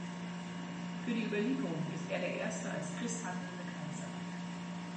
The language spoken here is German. Für die Überlieferung ist er der erste als Christ handelnde Kaiser.